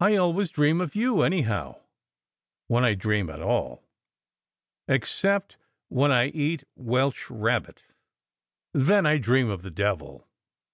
"I always dream of you any how, when I dream at all except when I eat welsh rabbit: then I dream of the devil."